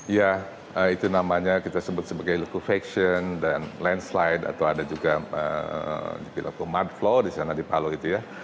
ya itu namanya kita sebut sebagai loco faction dan landslide atau ada juga loco mardflow di sana di palu itu ya